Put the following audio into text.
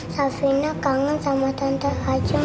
safina kangen sama tante ajeng